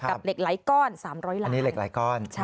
เหล็กไหลก้อน๓๐๐ล้านอันนี้เหล็กหลายก้อน